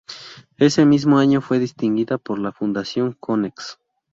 Ese mismo año fue distinguida por la Fundación Konex.